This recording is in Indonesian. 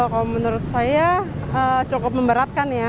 kalau menurut saya cukup memberatkan ya